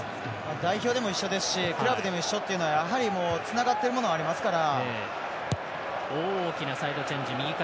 代表でも一緒ですしクラブでも一緒っていうのはつながっているものがありますから。